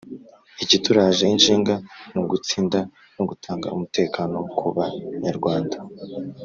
Ikituraje ishinga n’ugutsinda no gutanga umutekano ku ba nyarwanda